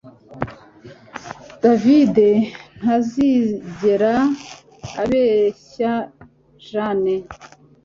David ntazigera abeshya Jane